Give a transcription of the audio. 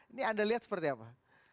ini anda lihat seperti apa